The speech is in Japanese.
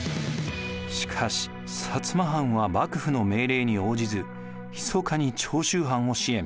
しかし摩藩は幕府の命令に応じず密かに長州藩を支援。